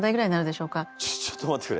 ちょちょっと待ってくれ。